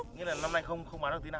nghĩa là năm nay không bán được tí nào